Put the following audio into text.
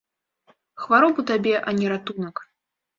Хваробу табе, а не ратунак.